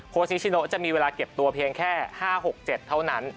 นิชิโนจะมีเวลาเก็บตัวเพียงแค่๕๖๗เท่านั้น